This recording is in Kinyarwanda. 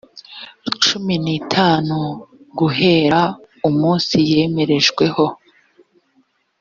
cumi n itanu guhera umunsi yemerejweho